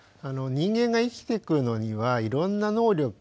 人間が生きていくのにはいろんな能力